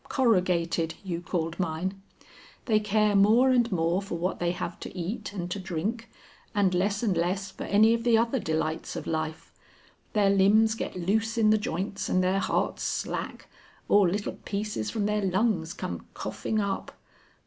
'Corrugated' you called mine. They care more and more for what they have to eat and to drink, and less and less for any of the other delights of life. Their limbs get loose in the joints, and their hearts slack, or little pieces from their lungs come coughing up.